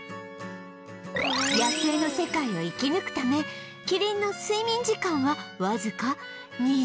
野生の世界を生き抜くためキリンの睡眠時間はわずか２０分